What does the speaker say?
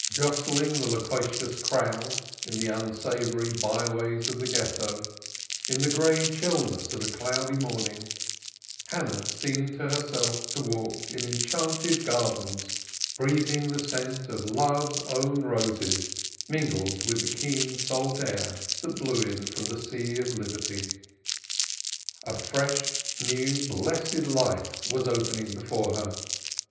Jostling the loquacious crowd, in the unsavory by ways of the Ghetto, in the gray chillness of a cloudy morning, Hannah seemed to herself to walk in enchanted gardens, breathing the scent of love's own roses mingled with the keen salt air that blew in from the sea of liberty. A fresh, new blessed life was opening before her.